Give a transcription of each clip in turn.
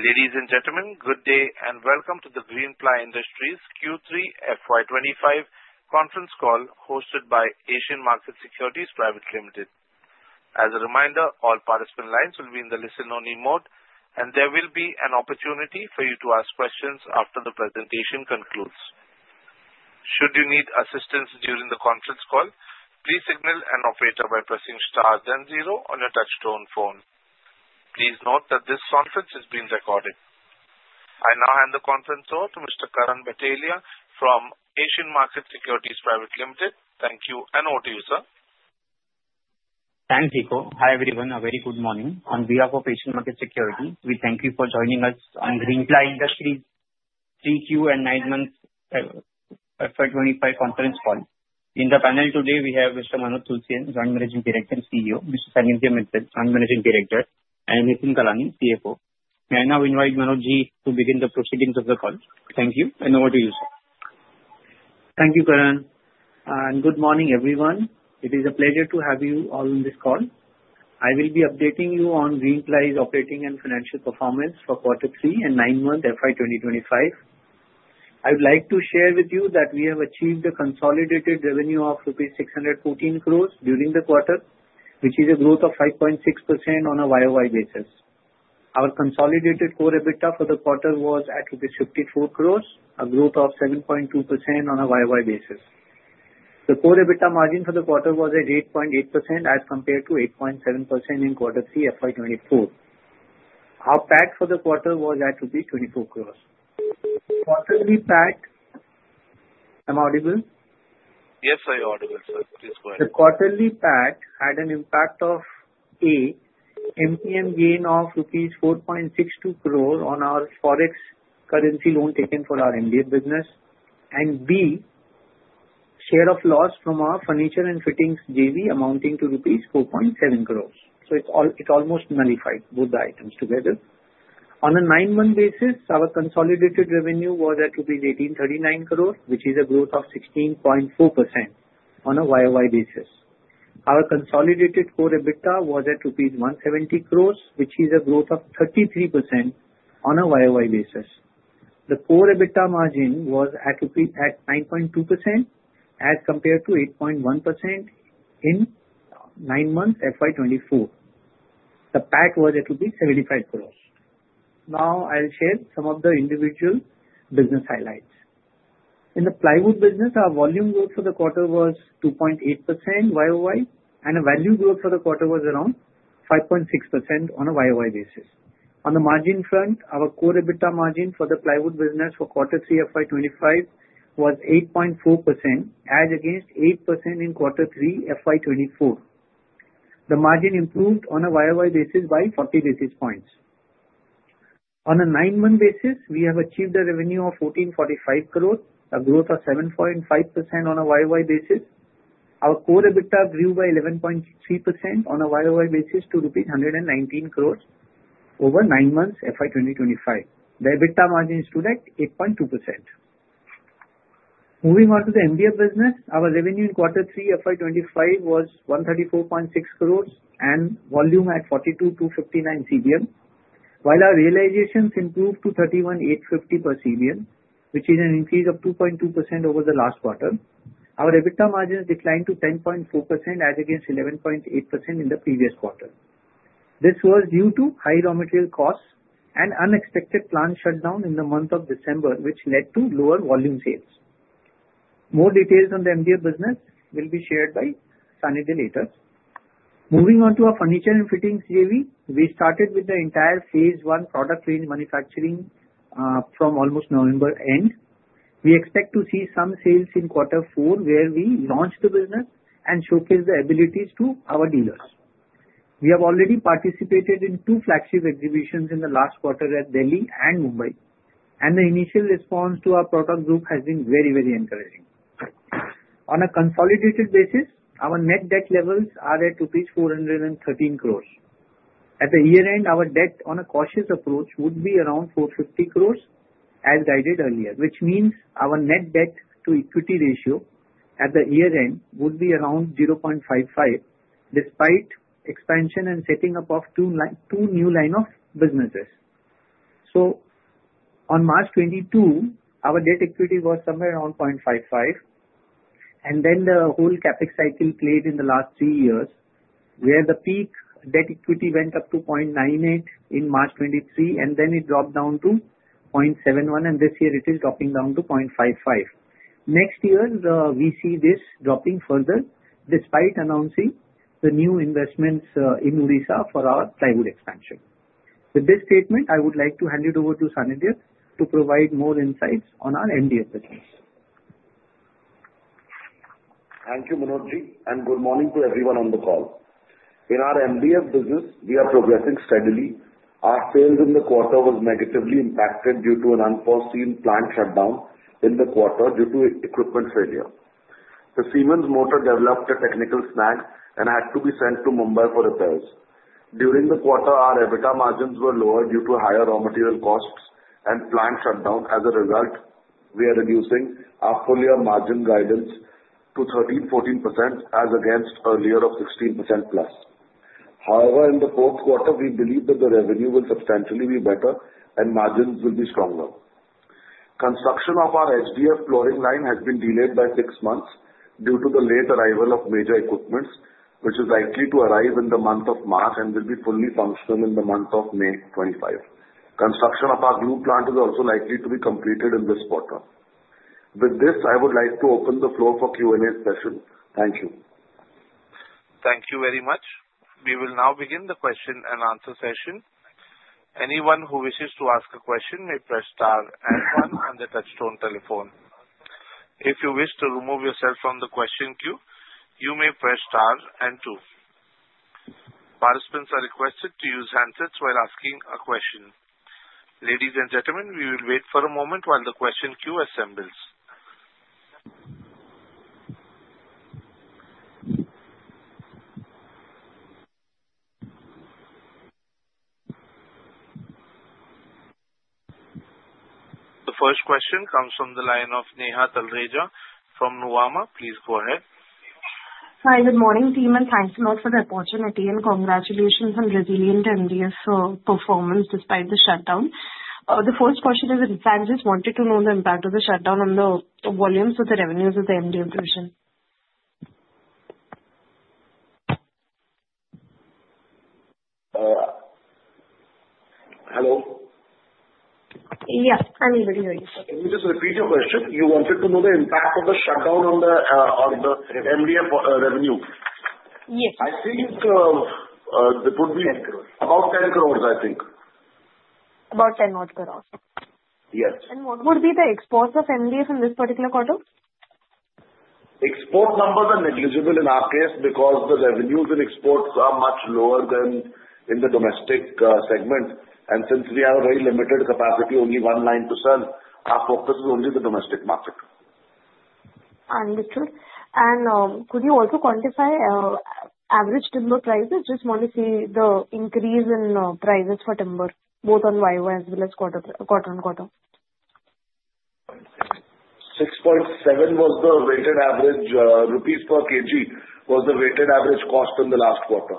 Ladies and gentlemen, good day and welcome to the Greenply Industries Q3 FY 2025 conference call hosted by Asian Markets Securities Private Limited. As a reminder, all participant lines will be in the listen-only mode, and there will be an opportunity for you to ask questions after the presentation concludes. Should you need assistance during the conference call, please signal an operator by pressing star then zero on your touch-tone phone. Please note that this conference is being recorded. I now hand the conference over to Mr. Karan Bhatelia from Asian Markets Securities Private Limited. Thank you and over to you, sir. Thanks. Hi everyone, a very good morning. On behalf of Asian Market Securities, we thank you for joining us on Greenply Industries Q3 and nine-month FY25 conference call. In the panel today, we have Mr. Manoj Tulsian, Joint Managing Director and CEO, Mr. Sanidhya Mittal, Joint Managing Director, and Nitin Kalani, CFO. May I now invite Manoj Ji to begin the proceedings of the call? Thank you, and over to you, sir. Thank you, Karan. Good morning, everyone. It is a pleasure to have you all on this call. I will be updating you on Greenply's operating and financial performance for Q3 and nine-month FY 2025. I would like to share with you that we have achieved a consolidated revenue of rupees 614 crores during the quarter, which is a growth of 5.6% on a YoY basis. Our consolidated core EBITDA for the quarter was at rupees 54 crores, a growth of 7.2% on a YoY basis. The core EBITDA margin for the quarter was at 8.8% as compared to 8.7% in Q3 FY 2024. Our PAT for the quarter was at 24 crores. Quarterly PAT, am I audible? Yes, you're audible, sir. Please go ahead. The quarterly PAT had an impact of A, MTM gain of rupees 4.62 crores on our forex currency loan taken for our MDF business, and B, share of loss from our furniture and fittings JV amounting to rupees 4.7 crores. So it almost nullified both the items together. On a nine-month basis, our consolidated revenue was at INR 1,839 crores, which is a growth of 16.4% on a YoY basis. Our consolidated core EBITDA was at INR 170 crores, which is a growth of 33% on a YoY basis. The core EBITDA margin was at 9.2% as compared to 8.1% in nine-month FY 2024. The PAT was at 75 crores. Now I'll share some of the individual business highlights. In the plywood business, our volume growth for the quarter was 2.8% YoY, and the value growth for the quarter was around 5.6% on a YoY basis. On the margin front, our core EBITDA margin for the plywood business for Q3 FY 2025 was 8.4%, as against 8% in Q3 FY 2024. The margin improved on a YoY basis by 40 basis points. On a nine-month basis, we have achieved a revenue of 1,445 crores, a growth of 7.5% on a YoY basis. Our core EBITDA grew by 11.3% on a YoY basis to rupees 119 crores over nine months FY 2025. The EBITDA margin is also at 8.2%. Moving on to the MDF business, our revenue in Q3 FY 2025 was 134.6 crores and volume at 42,259 CBM, while our realizations improved to 31,850 per CBM, which is an increase of 2.2% over the last quarter. Our EBITDA margin declined to 10.4% as against 11.8% in the previous quarter. This was due to high raw material costs and unexpected plant shutdown in the month of December, which led to lower volume sales. More details on the MDF business will be shared by Sanidhya later. Moving on to our furniture and fittings JV, we started with the entire phase one product range manufacturing from almost November end. We expect to see some sales in Q4, where we launch the business and showcase the abilities to our dealers. We have already participated in two flagship exhibitions in the last quarter at Delhi and Mumbai, and the initial response to our product group has been very, very encouraging. On a consolidated basis, our net debt levels are at rupees 413 crores. At the year end, our debt, on a cautious approach, would be around 450 crores, as guided earlier, which means our net debt to equity ratio at the year end would be around 0.55, despite expansion and setting up of two new lines of businesses. So on March 2022, our debt equity was somewhere around 0.55, and then the whole CapEx cycle played in the last three years, where the peak debt equity went up to 0.98 in March 2023, and then it dropped down to 0.71, and this year it is dropping down to 0.55. Next year, we see this dropping further, despite announcing the new investments in Odisha for our plywood expansion. With this statement, I would like to hand it over to Sanidhya to provide more insights on our MDF business. Thank you, Manoj, and good morning to everyone on the call. In our MDF business, we are progressing steadily. Our sales in the quarter was negatively impacted due to an unforeseen plant shutdown in the quarter due to equipment failure. The Siemens Motor developed a technical snag and had to be sent to Mumbai for repairs. During the quarter, our EBITDA margins were lower due to higher raw material costs and plant shutdown. As a result, we are reducing our full-year margin guidance to 13%-14% as against earlier of 16% plus. However, in the fourth quarter, we believe that the revenue will substantially be better and margins will be stronger. Construction of our HDF flooring line has been delayed by six months due to the late arrival of major equipment, which is likely to arrive in the month of March and will be fully functional in the month of May 2025. Construction of our glue plant is also likely to be completed in this quarter. With this, I would like to open the floor for Q&A session. Thank you. Thank you very much. We will now begin the question and answer session. Anyone who wishes to ask a question may press star and one on the touch-tone telephone. If you wish to remove yourself from the question queue, you may press star and two. Participants are requested to use handsets while asking a question. Ladies and gentlemen, we will wait for a moment while the question queue assembles. The first question comes from the line of Sneha Talreja from Nuvama. Please go ahead. Hi, good morning, team. Thanks a lot for the opportunity and congratulations on resilient MDF performance despite the shutdown. The first question is, Sanidhya just wanted to know the impact of the shutdown on the volumes of the revenues of the MDF division. Hello? Yes, I'm able to hear you. Can you just repeat your question? You wanted to know the impact of the shutdown on the MDF revenue? Yes. I think it would be about 10 crores, I think. About 10 odd crores. Yes. What would be the exports of MDF in this particular quarter? Export numbers are negligible in our case because the revenues in exports are much lower than in the domestic segment, and since we have a very limited capacity, only one line to sell, our focus is only the domestic market. Understood. And could you also quantify average timber prices? Just want to see the increase in prices for timber, both on YoY as well as quarter-on-quarter. 6.7 was the weighted average INR-per-kg cost in the last quarter.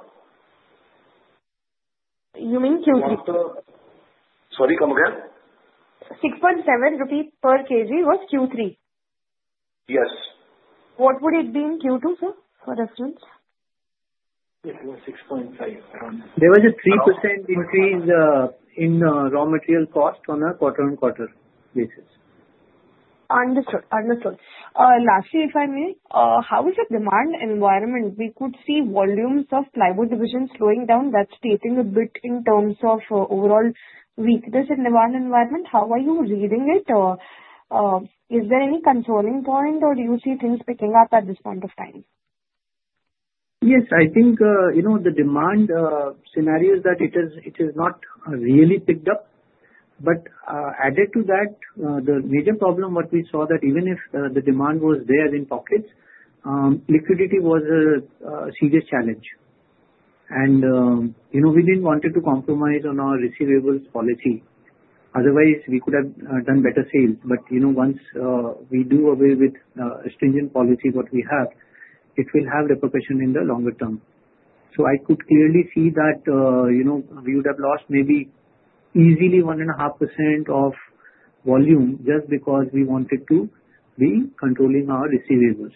You mean Q3? Sorry, come again? INR 6.7 per kg was Q3? Yes. What would it be in Q2, sir, for reference? It was 6.5 around. There was a 3% increase in raw material cost on a quarter-on-quarter basis. Understood. Understood. Lastly, if I may, how is the demand environment? We could see volumes of plywood division slowing down. That's taking a bit in terms of overall weakness in demand environment. How are you reading it? Is there any concerning point, or do you see things picking up at this point of time? Yes, I think the demand scenario is that it has not really picked up. But added to that, the major problem what we saw that even if the demand was there in pockets, liquidity was a serious challenge. And we didn't want to compromise on our receivables policy. Otherwise, we could have done better sales. But once we do away with stringent policy what we have, it will have repercussions in the longer term. So I could clearly see that we would have lost maybe easily 1.5% of volume just because we wanted to be controlling our receivables.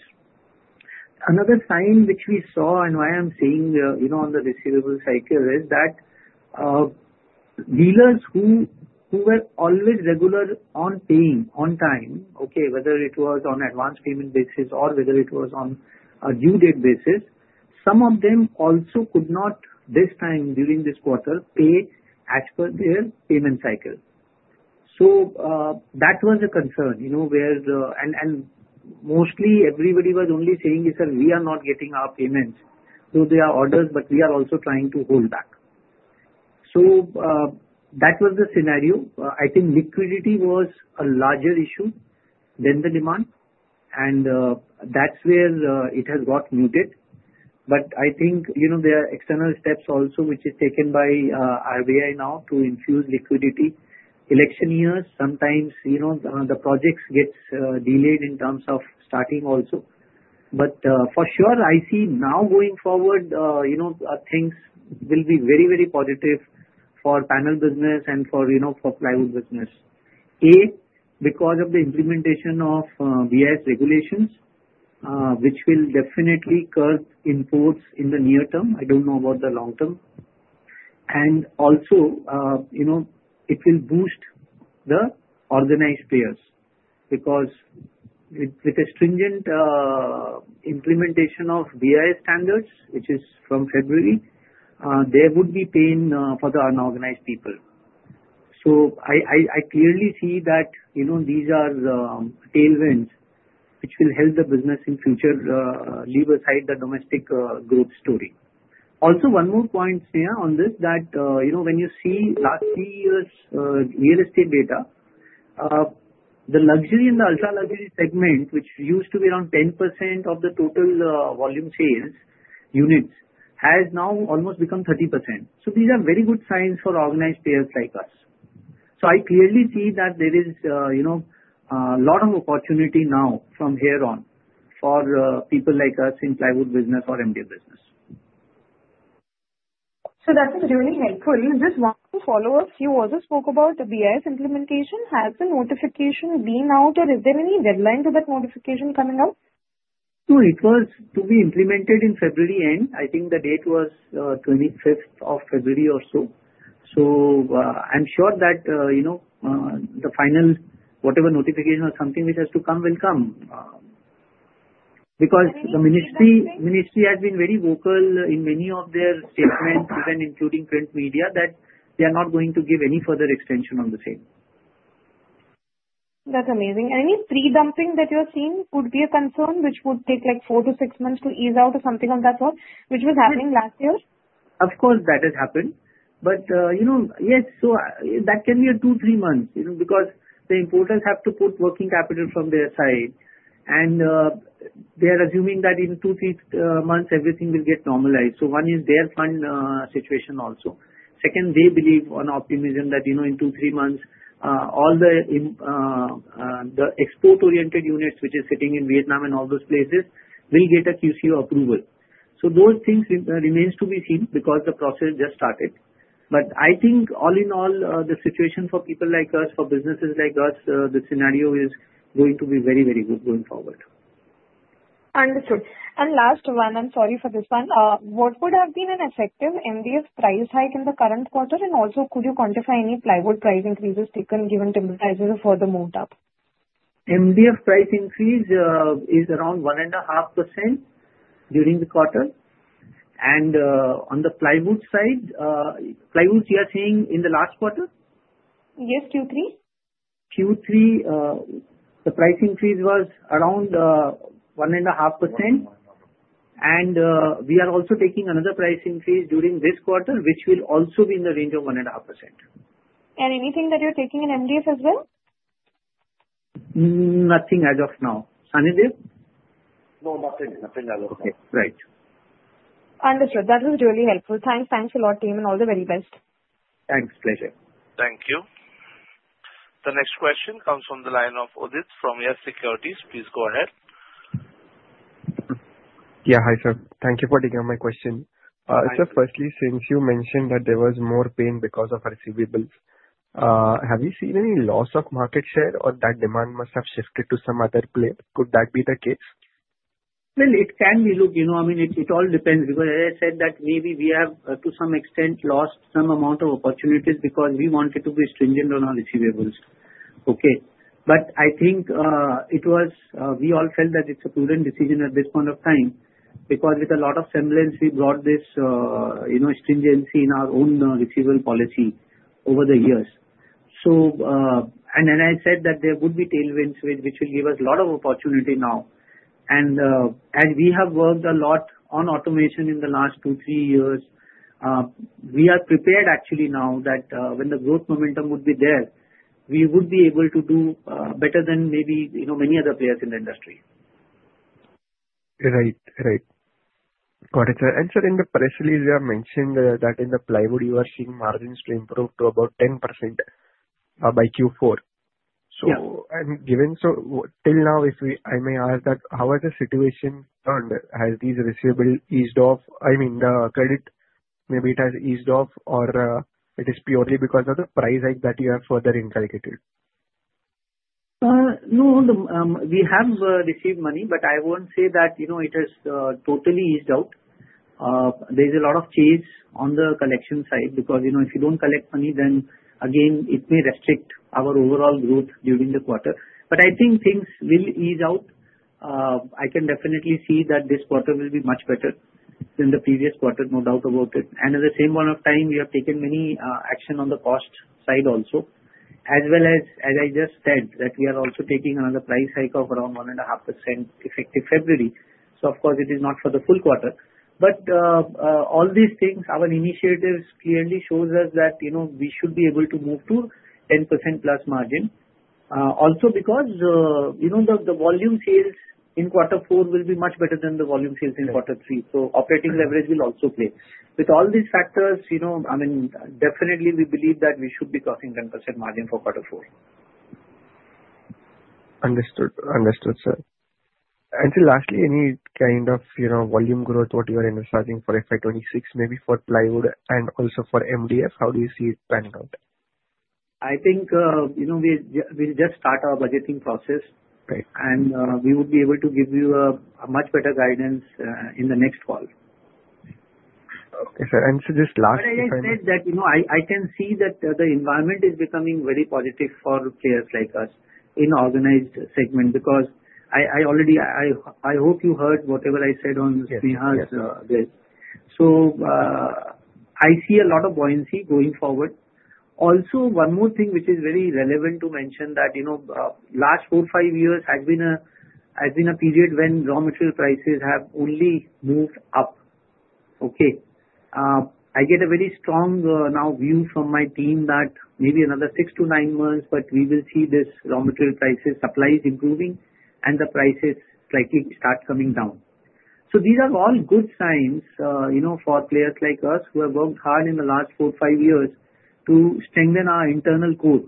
Another sign which we saw, and why I'm saying on the receivables cycle, is that dealers who were always regular on paying on time, okay, whether it was on advance payment basis or whether it was on a due date basis, some of them also could not this time during this quarter pay as per their payment cycle. So that was a concern, and mostly everybody was only saying, "Sir, we are not getting our payments." So there are orders, but we are also trying to hold back, so that was the scenario. I think liquidity was a larger issue than the demand, and that's where it has got muted, but I think there are external steps also which are taken by RBI now to infuse liquidity. Election years, sometimes the projects get delayed in terms of starting also. But for sure, I see now going forward, things will be very, very positive for Panel business and for plywood business. A, because of the implementation of BIS regulations, which will definitely curb imports in the near term. I don't know about the long term. And also, it will boost the organized players because with the stringent implementation of BIS standards, which is from February, there would be pain for the unorganized people. So I clearly see that these are tailwinds which will help the business in future, leave aside the domestic growth story. Also, one more point, Sneha, on this, that when you see last three years' real estate data, the luxury and the ultra-luxury segment, which used to be around 10% of the total volume sales, units, has now almost become 30%. So these are very good signs for organized players like us. So I clearly see that there is a lot of opportunity now from here on for people like us in plywood business or MDF business. So that's really helpful. Just want to follow up. You also spoke about the BIS implementation. Has the notification been out, or is there any deadline for that notification coming out? No, it was to be implemented in February end. I think the date was 25th of February or so. So I'm sure that the final whatever notification or something which has to come will come because the ministry has been very vocal in many of their statements, even including print media, that they are not going to give any further extension on the sale. That's amazing. Any pre-dumping that you have seen could be a concern, which would take like four to six months to ease out or something of that sort, which was happening last year? Of course, that has happened. But yes, so that can be a two, three months because the importers have to put working capital from their side, and they are assuming that in two, three months, everything will get normalized. So one is their fund situation also. Second, they believe on optimism that in two, three months, all the export-oriented units, which are sitting in Vietnam and all those places, will get a QCO approval. So those things remain to be seen because the process just started. But I think all in all, the situation for people like us, for businesses like us, the scenario is going to be very, very good going forward. Understood. And last one, I'm sorry for this one. What would have been an effective MDF price hike in the current quarter? And also, could you quantify any plywood price increases taken given timber prices have further moved up? MDF price increase is around 1.5% during the quarter. And on the plywood side, plywood, you are saying in the last quarter? Yes, Q3. Q3, the price increase was around 1.5% and we are also taking another price increase during this quarter, which will also be in the range of 1.5%. And anything that you're taking in MDF as well? Nothing as of now. Sanidhya? No, nothing. Nothing as of now. Okay. Right. Understood. That was really helpful. Thanks. Thanks a lot, team, and all the very best. Thanks. Pleasure. Thank you. The next question comes from the line of Udit from Yes Securities. Please go ahead. Yeah, hi sir. Thank you for taking up my question. Sir, firstly, since you mentioned that there was more pain because of receivables, have you seen any loss of market share or that demand must have shifted to some other play? Could that be the case? Well, it can be. Look, I mean, it all depends because as I said, that maybe we have, to some extent, lost some amount of opportunities because we wanted to be stringent on our receivables. Okay. But I think it was we all felt that it's a prudent decision at this point of time because with a lot of semblance, we brought this stringency in our own receivable policy over the years. And as I said, that there would be tailwinds, which will give us a lot of opportunity now. And as we have worked a lot on automation in the last two, three years, we are prepared actually now that when the growth momentum would be there, we would be able to do better than maybe many other players in the industry. Right. Right. Got it. And sir, in the press release, you have mentioned that in the plywood, you are seeing margins to improve to about 10% by Q4. So till now, if I may ask that, how has the situation turned? Has these receivables eased off? I mean, the credit, maybe it has eased off, or it is purely because of the price hike that you have further inculcated? No, we have received money, but I won't say that it has totally eased out. There's a lot of chase on the collection side because if you don't collect money, then again, it may restrict our overall growth during the quarter, but I think things will ease out. I can definitely see that this quarter will be much better than the previous quarter, no doubt about it, and at the same point of time, we have taken many actions on the cost side also, as well as, as I just said, that we are also taking another price hike of around 1.5% effective February. So of course, it is not for the full quarter, but all these things, our initiatives clearly show us that we should be able to move to 10% plus margin. Also because the volume sales in quarter four will be much better than the volume sales in quarter three. So operating leverage will also play. With all these factors, I mean, definitely, we believe that we should be crossing 10% margin for quarter four. Understood. Understood, sir. Sir, lastly, any kind of volume growth, what you are inferring for FY 2026, maybe for plywood and also for MDF? How do you see it panning out? I think we'll just start our budgeting process, and we would be able to give you a much better guidance in the next call. Okay, sir. And sir, just last question. But as I said that I can see that the environment is becoming very positive for players like us in the organized segment because I hope you heard whatever I said on Sneha's day. So I see a lot of buoyancy going forward. Also, one more thing which is very relevant to mention that last four, five years has been a period when raw material prices have only moved up. Okay. I get a very strong now view from my team that maybe another six-to-nine months, but we will see this raw material prices, supplies improving, and the prices slightly start coming down. So these are all good signs for players like us who have worked hard in the last four, five years to strengthen our internal core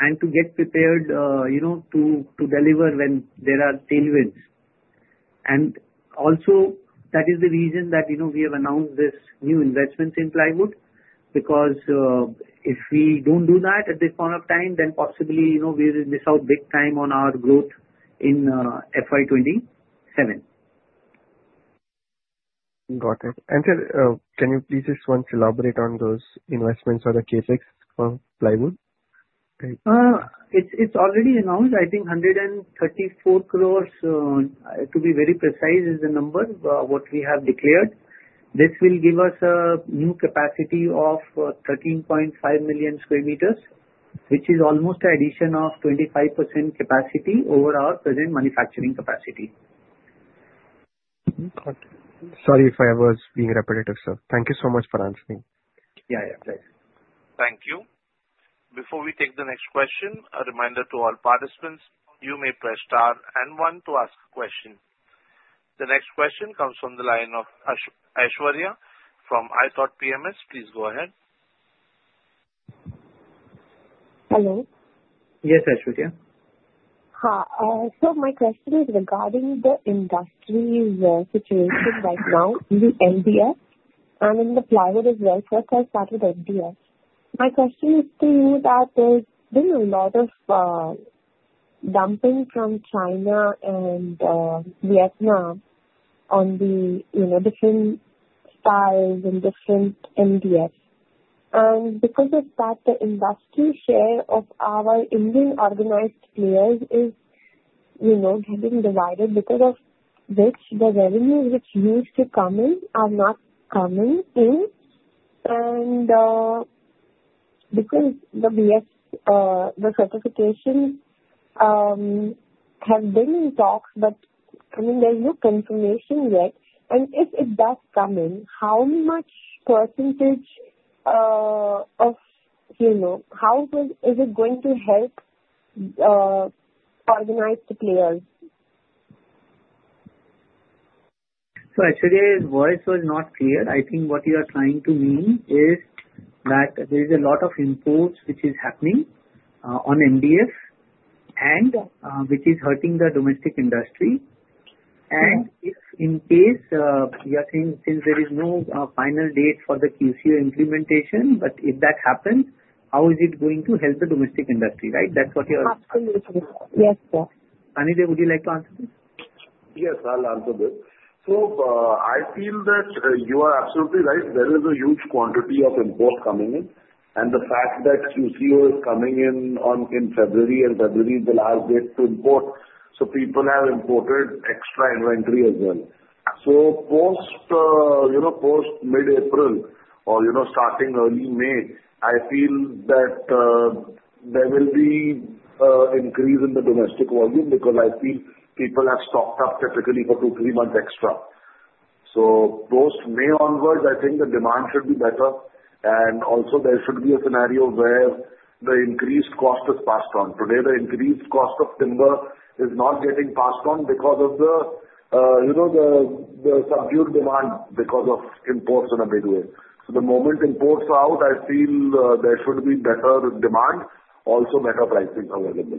and to get prepared to deliver when there are tailwinds. Also, that is the reason that we have announced this new investment in plywood because if we don't do that at this point of time, then possibly we will miss out big time on our growth in FY 2027. Got it, and sir, can you please just once elaborate on those investments or the CapEx for plywood? It's already announced. I think 134 crores, to be very precise, is the number what we have declared. This will give us a new capacity of 13.5 million sq m, which is almost an addition of 25% capacity over our present manufacturing capacity. Got it. Sorry if I was being repetitive, sir. Thank you so much for answering. Yeah, yeah. Pleasure. Thank you. Before we take the next question, a reminder to all participants, you may press star and one to ask a question. The next question comes from the line of Aishwarya from iThought PMS. Please go ahead. Hello. Yes, Aishwarya. Hi. So my question is regarding the industry's situation right now in the MDF and in the plywood as well. First, I'll start with MDF. My question is to you that there's been a lot of dumping from China and Vietnam on the different styles and different MDF. And because of that, the industry share of our Indian organized players is getting divided because of which the revenues which used to come in are not coming in. And because the BIS, the certification has been in talks, but I mean, there's no confirmation yet. And if it does come in, how much percentage of how is it going to help organized players? So Aishwarya's voice was not clear. I think what you are trying to mean is that there is a lot of imports which is happening on MDF and which is hurting the domestic industry. And if in case you are saying since there is no final date for the QCO implementation, but if that happens, how is it going to help the domestic industry, right? That's what you are saying. Absolutely. Yes, sir. Sanidhya, would you like to answer this? Yes, I'll answer this. So I feel that you are absolutely right. There is a huge quantity of imports coming in. And the fact that QCO is coming in in February, and February is the last date to import. So people have imported extra inventory as well. So post mid-April or starting early May, I feel that there will be an increase in the domestic volume because I feel people have stocked up typically for two, three months extra. So post-May onwards, I think the demand should be better. And also, there should be a scenario where the increased cost is passed on. Today, the increased cost of timber is not getting passed on because of the subdued demand because of imports in a big way. So the moment imports are out, I feel there should be better demand, also better pricing available.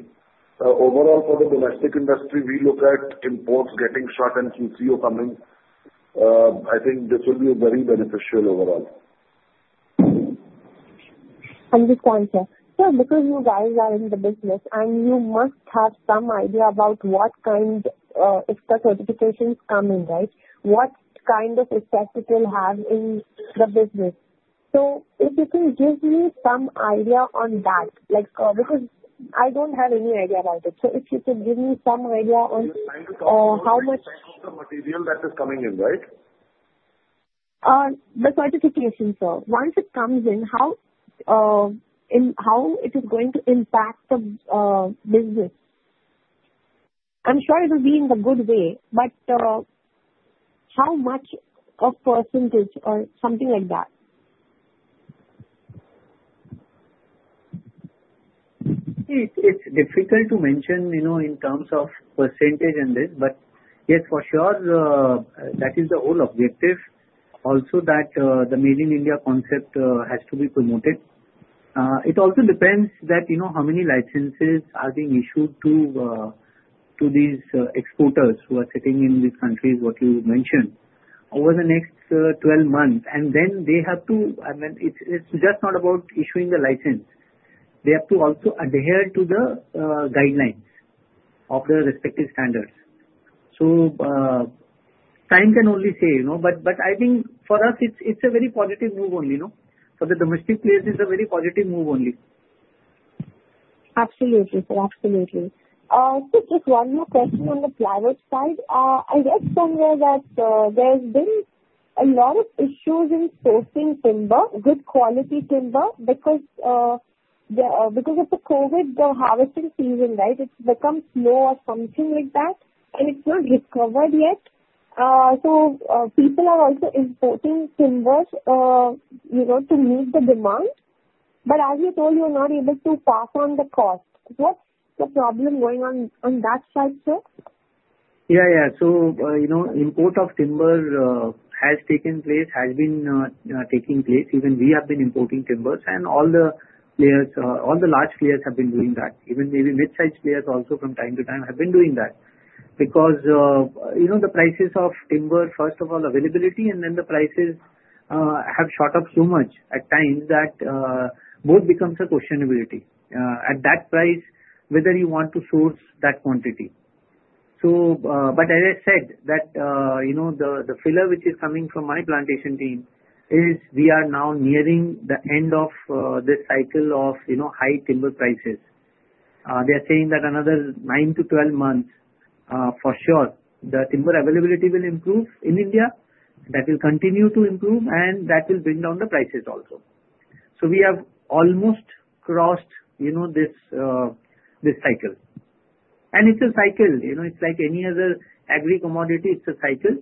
Overall, for the domestic industry, we look at imports getting shot and QCO coming. I think this will be very beneficial overall. Understand, sir. Sir, because you guys are in the business, and you must have some idea about what kind of the certifications come in, right? What kind of effect it will have in the business? So if you can give me some idea on that, because I don't have any idea about it. So if you could give me some idea on how much. The material that is coming in, right? The certification, sir. Once it comes in, how it is going to impact the business? I'm sure it will be in a good way, but how much of percentage or something like that? It's difficult to mention in terms of percentage and this, but yes, for sure, that is the whole objective. Also, that the Made in India concept has to be promoted. It also depends that how many licenses are being issued to these exporters who are sitting in these countries, what you mentioned, over the next 12 months. And then they have to, I mean, it's just not about issuing the license. They have to also adhere to the guidelines of the respective standards. So time can only say, but I think for us, it's a very positive move only. For the domestic players, it's a very positive move only. Absolutely, sir. Absolutely. Just one more question on the plywood side. I guess somewhere that there's been a lot of issues in sourcing timber, good quality timber, because of the COVID, the harvesting season, right? It's become slow or something like that, and it's not recovered yet. So people are also importing timbers to meet the demand, but as you told, you're not able to pass on the cost. What's the problem going on on that side, sir? Yeah, yeah. So import of timber has taken place, has been taking place. Even we have been importing timbers, and all the large players have been doing that. Even maybe mid-sized players also from time to time have been doing that because the prices of timber, first of all, availability, and then the prices have shot up so much at times that both becomes a questionability at that price, whether you want to source that quantity. But as I said, that the filler which is coming from my plantation team is we are now nearing the end of this cycle of high timber prices. They are saying that another nine to 12 months, for sure, the timber availability will improve in India. That will continue to improve, and that will bring down the prices also. So we have almost crossed this cycle. And it's a cycle. It's like any other agri commodity. It's a cycle.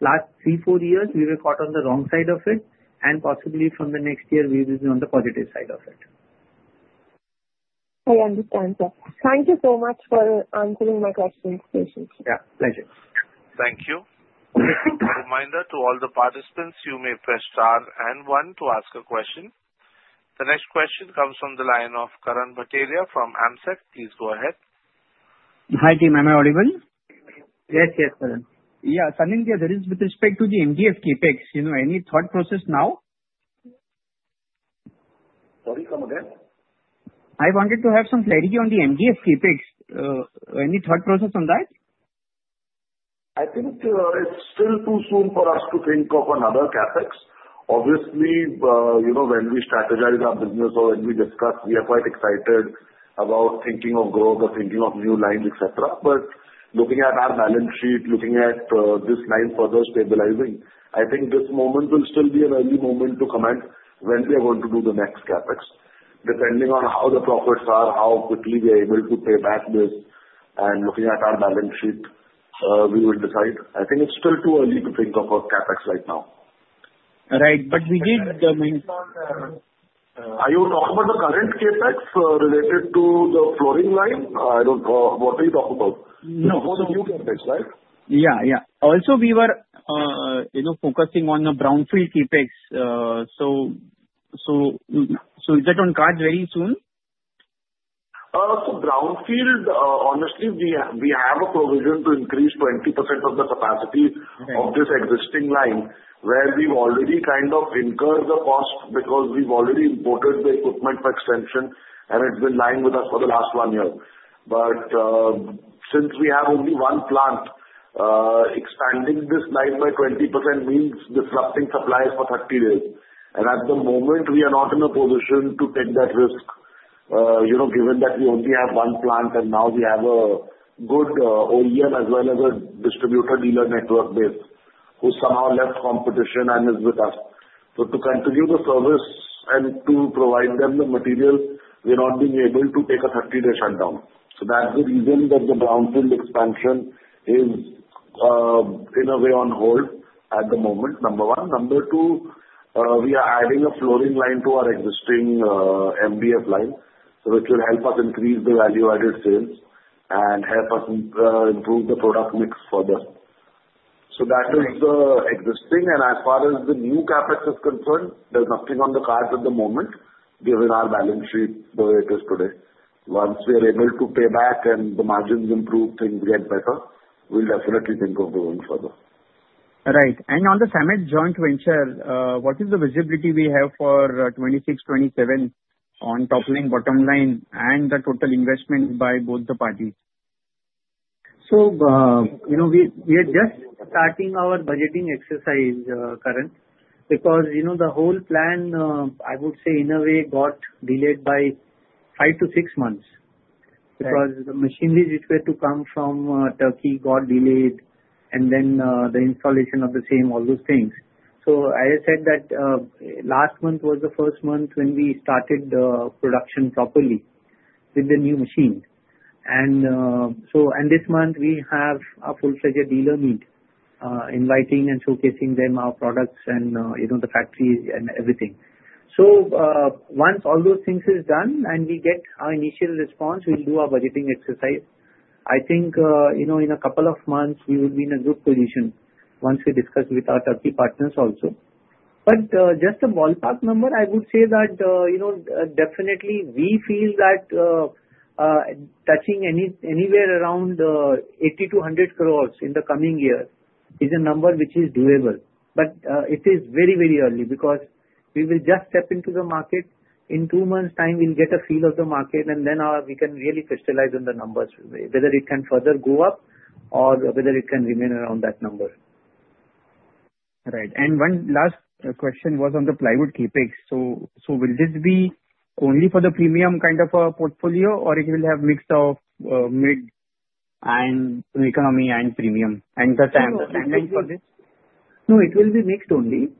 Last three, four years, we were caught on the wrong side of it, and possibly from the next year, we will be on the positive side of it. I understand, sir. Thank you so much for answering my questions. Yeah. Pleasure. Thank you. Reminder to all the participants, you may press star and one to ask a question. The next question comes from the line of Karan Bhatelia from AMSEC. Please go ahead. Hi, team. Am I audible? Yes, yes, Karan. Yeah. Sanidhya, is there with respect to the MDF CapEx, any thought process now? Sorry, come again? I wanted to have some clarity on the MDF CapEx. Any thought process on that? I think it's still too soon for us to think of another CapEx. Obviously, when we strategize our business or when we discuss, we are quite excited about thinking of growth or thinking of new lines, etc., but looking at our balance sheet, looking at this line further stabilizing, I think this moment will still be an early moment to comment when we are going to do the next CapEx, depending on how the profits are, how quickly we are able to pay back this, and looking at our balance sheet, we will decide. I think it's still too early to think of a CapEx right now. Right. But we did. Are you talking about the current CapEx related to the flooring line? What are you talking about? No. Before the new QCO, right? Yeah, yeah. Also, we were focusing on the brownfield CapEx. So is that on the cards very soon? So Brownfield, honestly, we have a provision to increase 20% of the capacity of this existing line where we've already kind of incurred the cost because we've already imported the equipment for extension, and it's been lying with us for the last one year. But since we have only one plant, expanding this line by 20% means disrupting supplies for 30 days. And at the moment, we are not in a position to take that risk given that we only have one plant, and now we have a good OEM as well as a distributor dealer network base who somehow left competition and is with us. So to continue the service and to provide them the material, we're not being able to take a 30-day shutdown. So that's the reason that the Brownfield expansion is in a way on hold at the moment, number one. Number two, we are adding a flooring line to our existing MDF line, which will help us increase the value-added sales and help us improve the product mix further. So that is the existing. And as far as the new CapEx is concerned, there's nothing on the cards at the moment given our balance sheet the way it is today. Once we are able to pay back and the margins improve, things get better, we'll definitely think of going further. Right. And on the Samet joint venture, what is the visibility we have for 2026, 2027 on top line, bottom line, and the total investment by both the parties? So we are just starting our budgeting exercise, Karan, because the whole plan, I would say, in a way, got delayed by five-to-six months because the machinery which were to come from Turkey got delayed, and then the installation of the same, all those things. So as I said, that last month was the first month when we started production properly with the new machine. And this month, we have a full-fledged dealer meet, inviting and showcasing them our products and the factories and everything. So once all those things are done and we get our initial response, we'll do our budgeting exercise. I think in a couple of months, we will be in a good position once we discuss with our Turkey partners also. But just a ballpark number, I would say that definitely we feel that touching anywhere around 80-100 crores in the coming year is a number which is doable. But it is very, very early because we will just step into the market. In two months' time, we'll get a feel of the market, and then we can really crystallize on the numbers, whether it can further go up or whether it can remain around that number. Right. And one last question was on the plywood CapEx. So will this be only for the premium kind of portfolio, or it will have mix of mid and economy and premium and the timeline for this? No, it will be mixed only.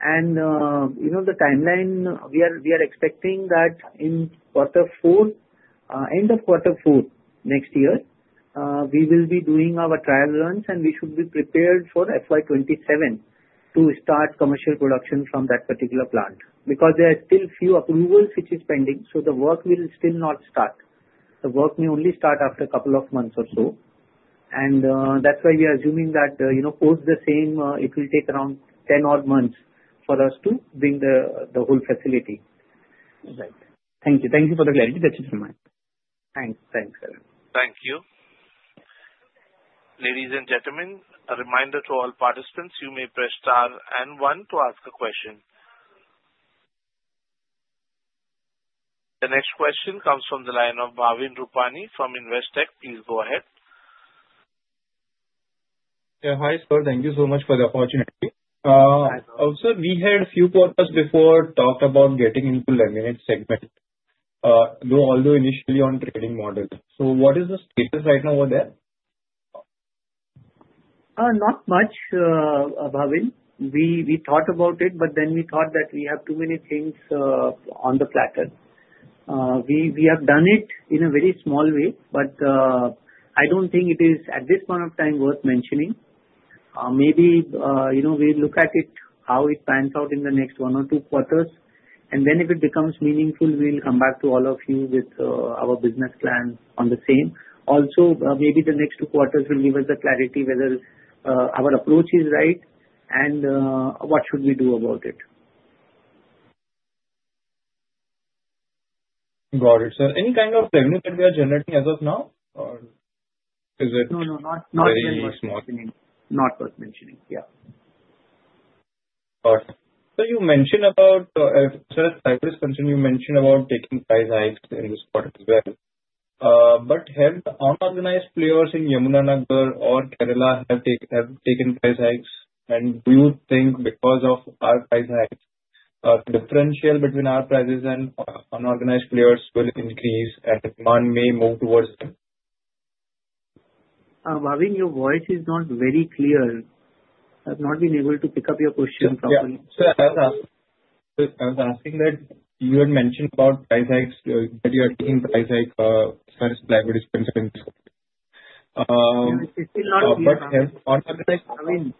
And the timeline, we are expecting that in end of quarter four next year, we will be doing our trial runs, and we should be prepared for FY 2027 to start commercial production from that particular plant because there are still few approvals which are pending. So the work will still not start. The work may only start after a couple of months or so. And that's why we are assuming that post the same, it will take around 10 odd months for us to bring the whole facility. Right. Thank you. Thank you for the clarity. That's it from my end. Thanks. Thanks, Karan. Thank you. Ladies and gentlemen, a reminder to all participants, you may press star and one to ask a question. The next question comes from the line of Bhavin Rupani from Investec. Please go ahead. Yeah. Hi, sir. Thank you so much for the opportunity. Also, we had a few thoughts before talked about getting into laminate segment, though, although initially on trading model. So what is the status right now over there? Not much, Bhavin. We thought about it, but then we thought that we have too many things on the platter. We have done it in a very small way, but I don't think it is at this point of time worth mentioning. Maybe we'll look at it how it pans out in the next one or two quarters. And then if it becomes meaningful, we'll come back to all of you with our business plan on the same. Also, maybe the next two quarters will give us the clarity whether our approach is right and what should we do about it. Got it. So any kind of revenue that we are generating as of now, or is it? No, no, not very much. Not very small. Not worth mentioning. Yeah. Got it. So you mentioned about, as far as price concern, you mentioned about taking price hikes in this quarter as well. But have the unorganized players in Yamunanagar or Kerala taken price hikes? And do you think because of our price hikes, the differential between our prices and unorganized players will increase and demand may move towards them? Bhavin, your voice is not very clear. I've not been able to pick up your question properly. Yeah. So I was asking that you had mentioned about price hikes, that you are taking price hikes as far as plywood is concerned. It's still not clear. But how unorganized?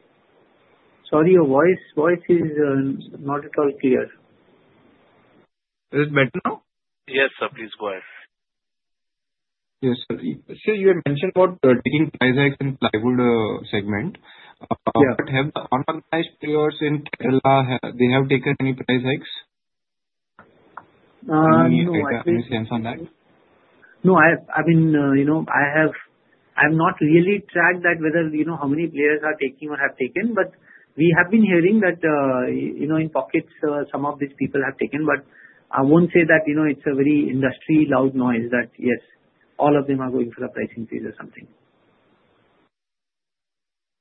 Sorry, your voice is not at all clear. Is it better now? Yes, sir. Please go ahead. Yes, sir. So you had mentioned about taking price hikes in plywood segment. But have the unorganized players in Kerala, they have taken any price hikes? Do you know any sense on that? No, I mean, I have not really tracked that whether how many players are taking or have taken, but we have been hearing that in pockets, some of these people have taken. But I won't say that it's a very industry loud noise that, yes, all of them are going for a price increase or something.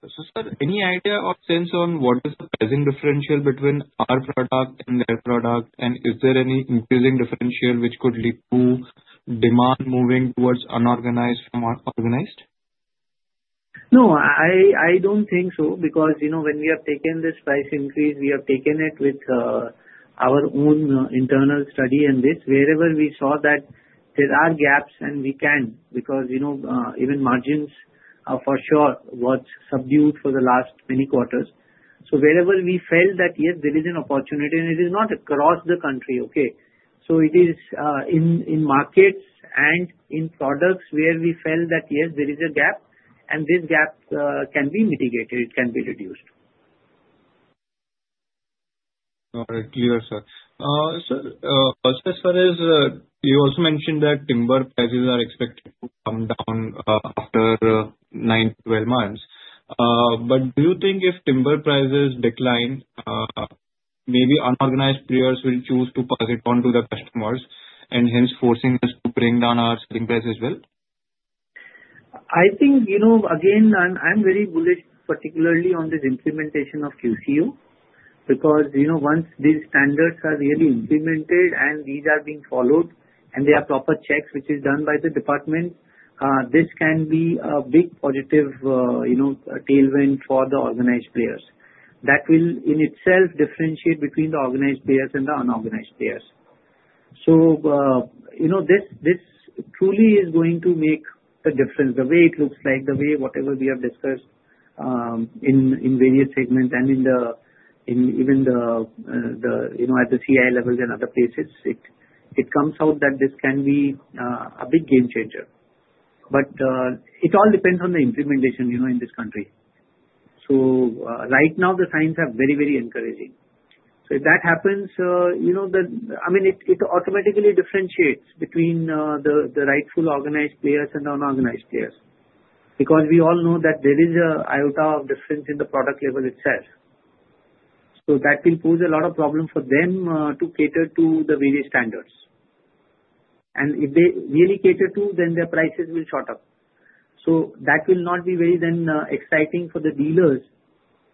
So, sir, any idea or sense on what is the pricing differential between our product and their product? And is there any increasing differential which could lead to demand moving towards unorganized from organized? No, I don't think so because when we have taken this price increase, we have taken it with our own internal study and this. Wherever we saw that there are gaps and we can because even margins are, for sure, what's subdued for the last many quarters, so wherever we felt that, yes, there is an opportunity, and it is not across the country, okay, so it is in markets and in products where we felt that, yes, there is a gap, and this gap can be mitigated. It can be reduced. Got it. Clear, sir. Sir, also as far as you also mentioned that timber prices are expected to come down after 9 to 12 months. But do you think if timber prices decline, maybe unorganized players will choose to pass it on to the customers and hence forcing us to bring down our selling price as well? I think, again, I'm very bullish, particularly on the implementation of QCO because once these standards are really implemented and these are being followed and there are proper checks which are done by the department, this can be a big positive tailwind for the organized players. That will in itself differentiate between the organized players and the unorganized players. So this truly is going to make a difference. The way it looks like, the way whatever we have discussed in various segments and even at the CI level and other places, it comes out that this can be a big game changer. But it all depends on the implementation in this country. So right now, the signs are very, very encouraging. So if that happens, I mean, it automatically differentiates between the rightful organized players and the unorganized players because we all know that there is an iota of difference in the product label itself. So that will pose a lot of problem for them to cater to the various standards. And if they really cater to, then their prices will shorten. So that will not be very then exciting for the dealers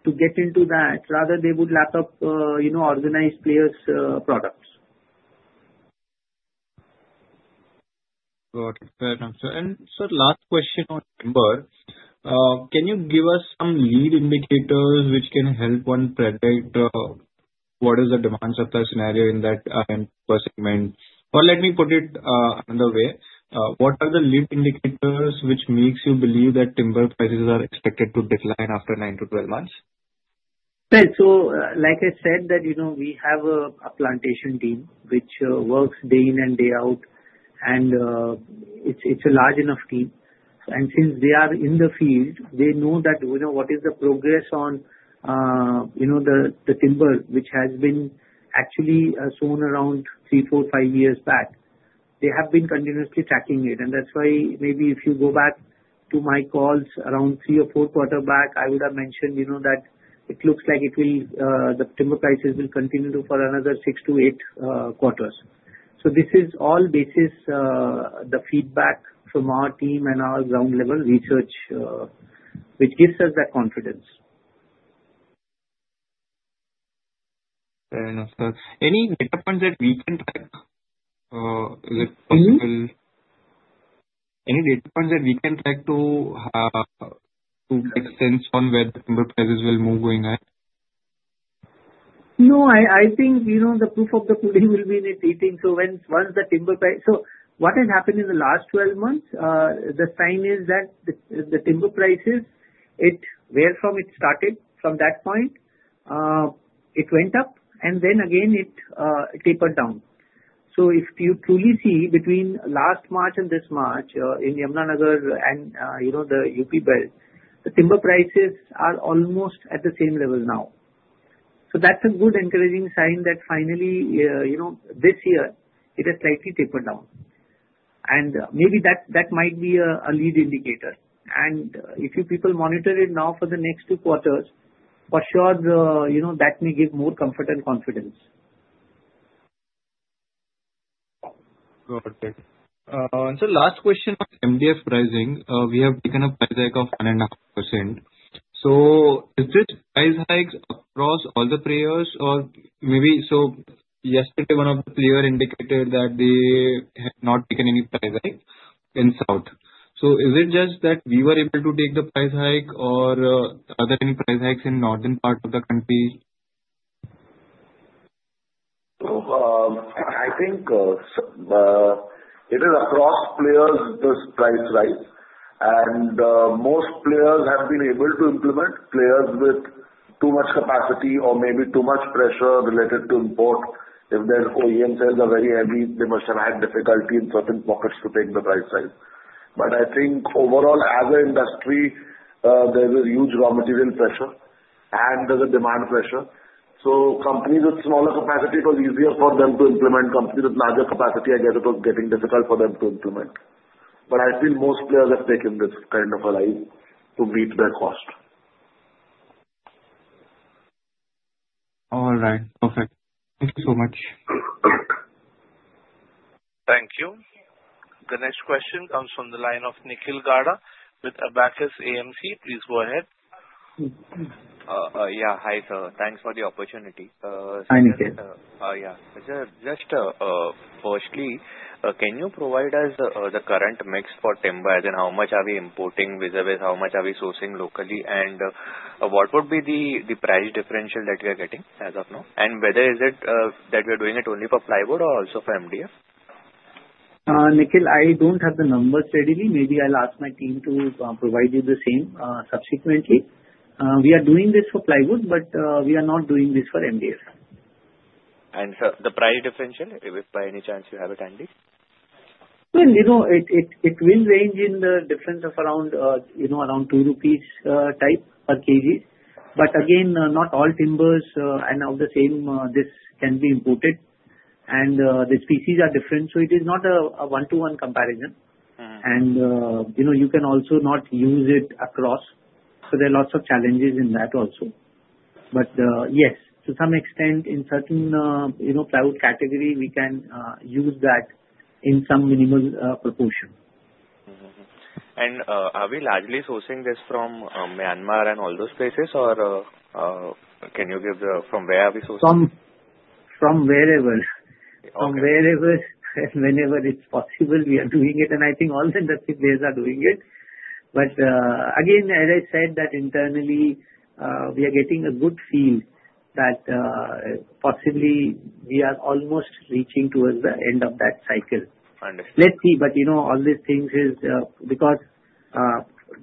to get into that. Rather, they would lap up organized players' products. Got it. Very nice. Sir, last question on timber. Can you give us some lead indicators which can help one predict what is the demand supply scenario in that per segment? Or let me put it another way. What are the lead indicators which makes you believe that timber prices are expected to decline after 9 months-12 months? Like I said, we have a plantation team which works day in and day out, and it's a large enough team. Since they are in the field, they know that what is the progress on the timber which has been actually sown around three, four, five years back. They have been continuously tracking it. That's why maybe if you go back to my calls around three or four quarters back, I would have mentioned that it looks like the timber prices will continue for another six to eight quarters. This is all based on the feedback from our team and our ground-level research which gives us that confidence. Very nice. Any data points that we can track? Is it possible? Any data points that we can track to make sense on where the timber prices will move going ahead? No, I think the proof of the pudding will be in it eating. So once the timber price so what has happened in the last 12 months, the sign is that the timber prices, where from it started from that point, it went up, and then again it tapered down. So if you truly see between last March and this March in Yamunanagar and the UP belt, the timber prices are almost at the same level now. So that's a good encouraging sign that finally this year, it has slightly tapered down. And maybe that might be a lead indicator. And if you people monitor it now for the next two quarters, for sure that may give more comfort and confidence. Got it, and so last question on MDF pricing. We have taken a price hike of 1.5%, so is this price hike across all the players or maybe, so yesterday, one of the players indicated that they have not taken any price hike in South. So is it just that we were able to take the price hike, or are there any price hikes in Northern part of the country? I think it is across players this price rise. Most players have been able to implement. Players with too much capacity or maybe too much pressure related to import. If their OEM sales are very heavy, they must have had difficulty in certain pockets to take the price rise. I think overall, as an industry, there is a huge raw material pressure and there is a demand pressure. Companies with smaller capacity, it was easier for them to implement. Companies with larger capacity, I guess it was getting difficult for them to implement. I think most players have taken this kind of a rise to meet their cost. All right. Perfect. Thank you so much. Thank you. The next question comes from the line of Nikhil Gada with Abakkus AMC. Please go ahead. Yeah. Hi, sir. Thanks for the opportunity. Hi, Nikhil. Yeah. Just firstly, can you provide us the current mix for timber, as in how much are we importing vis-à-vis how much are we sourcing locally? And what would be the price differential that we are getting as of now? And whether is it that we are doing it only for plywood or also for MDF? Nikhil, I don't have the numbers readily. Maybe I'll ask my team to provide you the same subsequently. We are doing this for plywood, but we are not doing this for MDF. Sir, the price differential, by any chance, you have it handy? It will range in the difference of around 2 rupees- INR4 per kg. Again, not all timbers are the same. This can be imported. The species are different. It is not a one-to-one comparison. You can also not use it across. There are lots of challenges in that also. Yes, to some extent, in certain plywood category, we can use that in some minimal proportion. Are we largely sourcing this from Myanmar and all those places, or can you give the from where are we sourcing? From wherever. From wherever and whenever it's possible, we are doing it. And I think all the industry players are doing it. But again, as I said, that internally, we are getting a good feel that possibly we are almost reaching towards the end of that cycle. Understood. Let's see. But all these things is because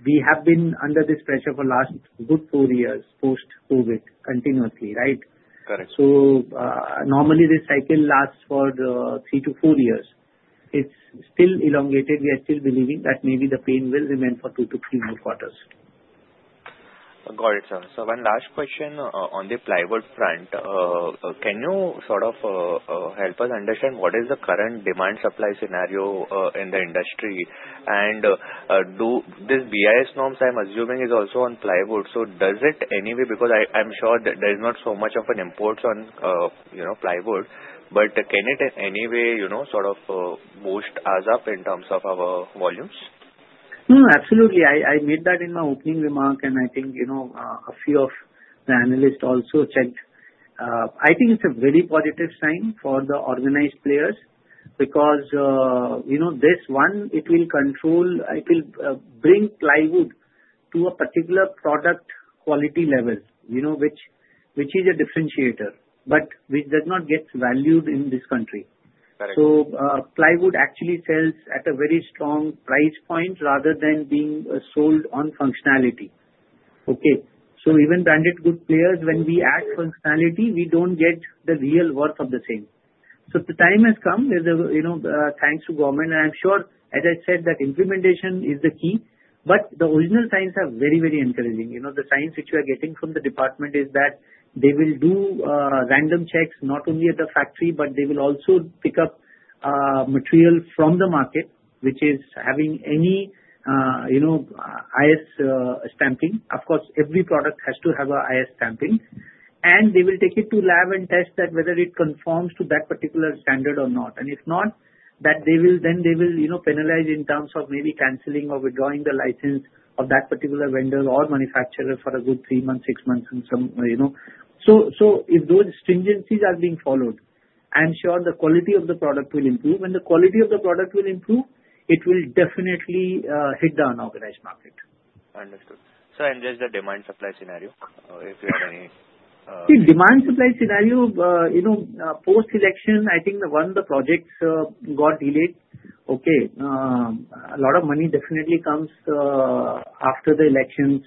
we have been under this pressure for the last good four years post-COVID continuously, right? Correct. So normally, this cycle lasts for three to four years. It's still elongated. We are still believing that maybe the pain will remain for two to three more quarters. Got it, sir. So one last question on the plywood front. Can you sort of help us understand what is the current demand supply scenario in the industry? And this BIS norms, I'm assuming, is also on plywood. So does it anyway because I'm sure there is not so much of an import on plywood, but can it in any way sort of boost us up in terms of our volumes? Absolutely. I made that in my opening remark, and I think a few of the analysts also checked. I think it's a very positive sign for the organized players because this one, it will control, it will bring plywood to a particular product quality level, which is a differentiator, but which does not get valued in this country. Correct. So plywood actually sells at a very strong price point rather than being sold on functionality. Okay. So even branded good players, when we add functionality, we don't get the real worth of the same. So the time has come thanks to government. And I'm sure, as I said, that implementation is the key. But the original signs are very, very encouraging. The signs which we are getting from the department is that they will do random checks not only at the factory, but they will also pick up material from the market, which is having any IS stamping. Of course, every product has to have an IS stamping. And they will take it to lab and test that whether it conforms to that particular standard or not. And if not, then they will penalize in terms of maybe canceling or withdrawing the license of that particular vendor or manufacturer for a good three months, six months, and some. So if those stringencies are being followed, I'm sure the quality of the product will improve. When the quality of the product will improve, it will definitely hit the unorganized market. Understood. Sir, and there's the demand supply scenario if you have any? See, demand-supply scenario post-election, I think the projects got delayed. Okay. A lot of money definitely comes after the elections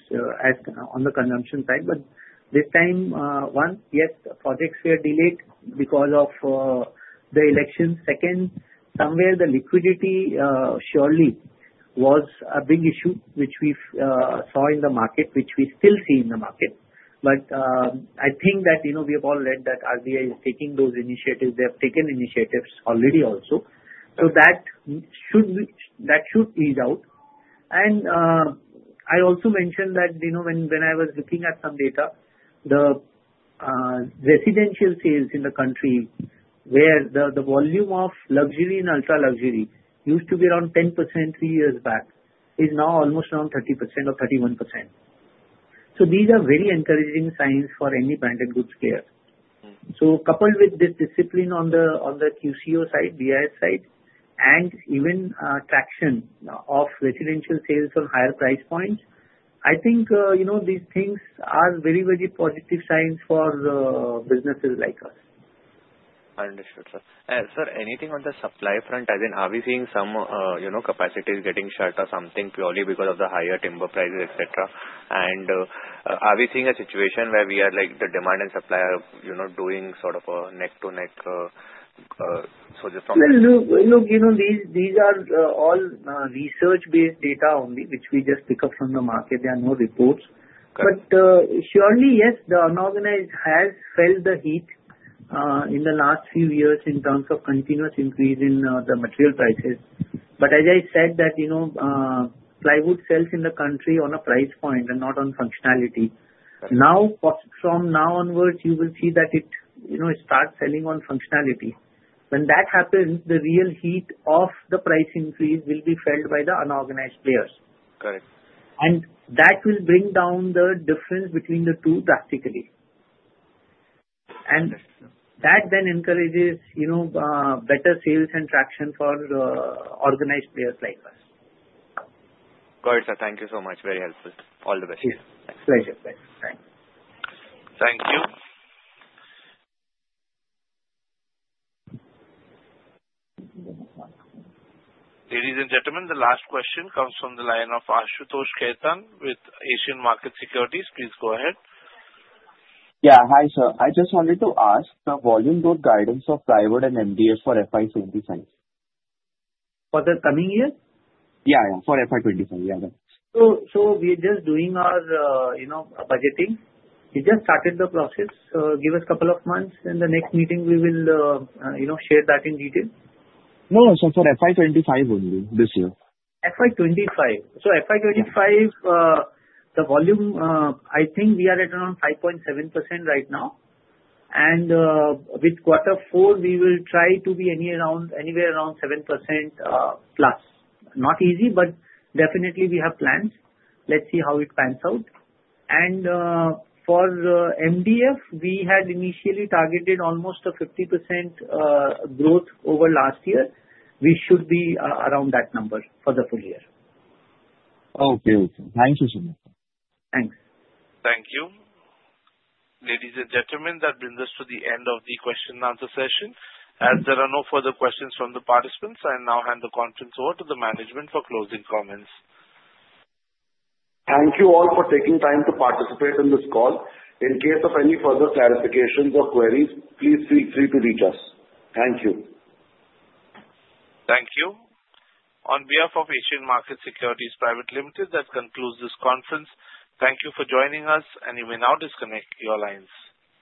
on the consumption side. But this time, one, yes, projects were delayed because of the elections. Second, somewhere the liquidity surely was a big issue which we saw in the market, which we still see in the market. But I think that we have all read that RBI is taking those initiatives. They have taken initiatives already also. So that should ease out. And I also mentioned that when I was looking at some data, the residential sales in the country where the volume of luxury and ultra-luxury used to be around 10% three years back is now almost around 30% or 31%. So these are very encouraging signs for any branded goods players. So coupled with this discipline on the QCO side, BIS side, and even traction of residential sales on higher price points, I think these things are very, very positive signs for businesses like us. Understood, sir. Sir, anything on the supply front? As in, are we seeing some capacity is getting shorter something purely because of the higher timber prices, etc.? And are we seeing a situation where we are like the demand and supply are doing sort of a neck and neck? So just from. Well, look, these are all research-based data only, which we just pick up from the market. There are no reports. But surely, yes, the unorganized has felt the heat in the last few years in terms of continuous increase in the material prices. But as I said, that plywood sells in the country on a price point and not on functionality. Now, from now onwards, you will see that it starts selling on functionality. When that happens, the real heat of the price increase will be felt by the unorganized players. Correct. That will bring down the difference between the two drastically. That then encourages better sales and traction for organized players like us. Got it, sir. Thank you so much. Very helpful. All the best. Cheers. Thanks. Pleasure. Thanks. Bye. Thank you. Ladies and gentlemen, the last question comes from the line of Ashutosh Khetan with Asian Market Securities. Please go ahead. Yeah. Hi, sir. I just wanted to ask the volume growth guidance of plywood and MDF for FY 2025. For the coming year? Yeah, yeah. For FY 2025. Yeah, yeah. So we are just doing our budgeting. We just started the process. Give us a couple of months. In the next meeting, we will share that in detail. No, sir, for FY 2025 only this year. FY 2025. FY 2025, the volume, I think we are at around 5.7% right now. With quarter four, we will try to be anywhere around 7% plus. Not easy, but definitely we have plans. Let's see how it pans out. For MDF, we had initially targeted almost a 50% growth over last year. We should be around that number for the full year. Okay. Thank you so much. Thanks. Thank you. Ladies and gentlemen, that brings us to the end of the question-and-answer session. As there are no further questions from the participants, I now hand the conference over to the management for closing comments. Thank you all for taking time to participate in this call. In case of any further clarifications or queries, please feel free to reach us. Thank you. Thank you. On behalf of Asian Market Securities Private Limited, that concludes this conference. Thank you for joining us, and you may now disconnect your lines.